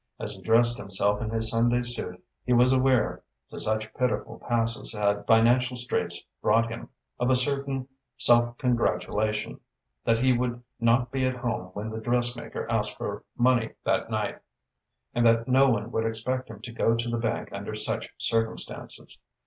As he dressed himself in his Sunday suit, he was aware to such pitiful passes had financial straits brought him of a certain self congratulation, that he would not be at home when the dressmaker asked for money that night, and that no one would expect him to go to the bank under such circumstances.